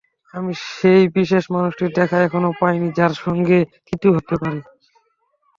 আমি সেই বিশেষ মানুষটির দেখা এখনো পাইনি, যাঁর সঙ্গে থিতু হতে পারি।